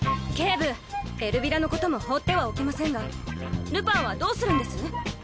警部エルヴィラのことも放ってはおけませんがルパンはどうするんです？